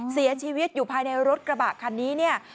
เสียชีวิตอยู่ภายในรถกระบะคันนี้เนี่ย